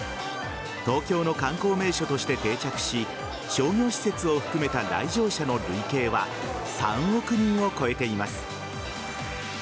東京の観光名所として定着し商業施設を含めた来場者の累計は３億人を超えています。